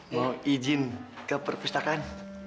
mau izin ke perpustakaan